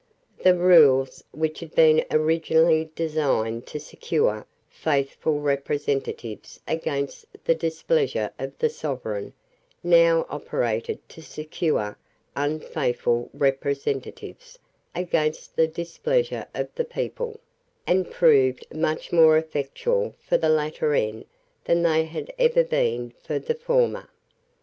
The rules which had been originally designed to secure faithful representatives against the displeasure of the Sovereign, now operated to secure unfaithful representatives against the displeasure of the people, and proved much more effectual for the latter end than they had ever been for the former.